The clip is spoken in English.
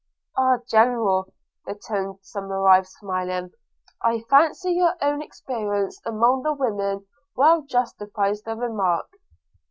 'Ah, General!' returned Somerive smiling, 'I fancy your own experience among the women well justifies that remark.